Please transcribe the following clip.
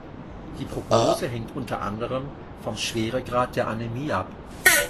Die Prognose hängt unter anderem vom Schweregrad der Anämie ab.